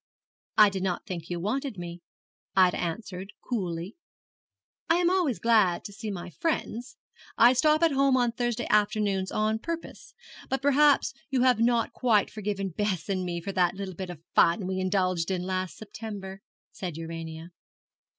'I did not think you wanted me,' Ida answered, coolly. 'I am always glad to see my friends. I stop at home on Thursday afternoons on purpose; but perhaps you have not quite forgiven Bess and me for that little bit of fun we indulged in last September,' said Urania.